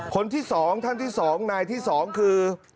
คนที่สองท่านที่สองนายที่สองคือ